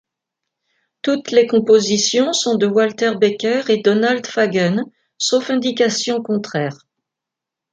Toutes les compositions sont de Walter Becker et Donald Fagen sauf indication contraire.